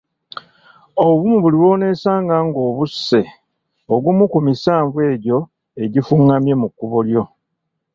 Obuvumu buli lw'oneesanga ng'obuuse ogumu ku misanvu egyo egifungamye mu kkubo lyo.